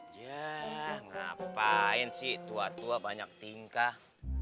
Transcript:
jah ngapain sih tua tua banyak tingkah